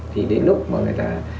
thì đến lúc mà người ta